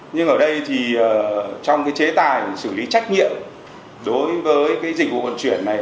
nhưng ở đây thì trong chế tài xử lý trách nhiệm đối với dịch vụ vận chuyển này